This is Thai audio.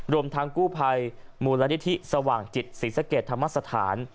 รวมทั้งกู้ภัยมูลนิธิสว่างจิตศรีสะเกดธรรมสถาน